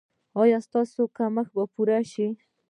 ایا ستاسو کمښت به پوره شي؟